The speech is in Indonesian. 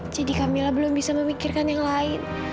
jadi kamila belum bisa memikirkan yang lain